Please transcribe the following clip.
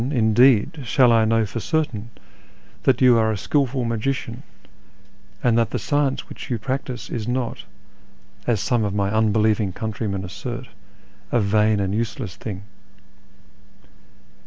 Thou, iiuleed, shall T know for certain that you aro a skilful luai^ician, and that the science which you practise is not (as some of my uulx'licvin_Ljf countrymen assert) a vain and useless thing."